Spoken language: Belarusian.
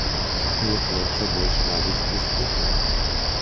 Але хлопца больш вабіць гісторыя.